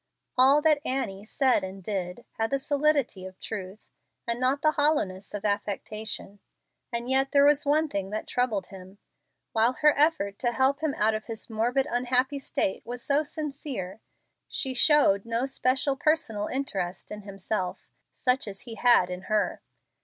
All that Annie said and did had the solidity of truth, and not the hollowness of affectation. And yet there was one thing that troubled him. While her effort to help him out of his morbid, unhappy state was so sincere, she showed no special personal interest in himself, such as he had in her.